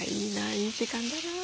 いい時間だな。